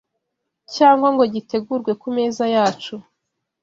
cyangwa ngo gitegurwe ku meza yacu